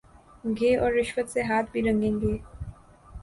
گے اور رشوت سے ہاتھ بھی رنگیں گے۔